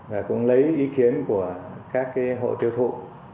và cũng lấy ý kiến của các hộ tiêu thụ